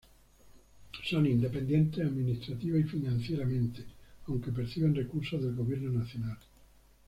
Son independientes administrativa y financieramente, aunque perciben recursos del gobierno nacional.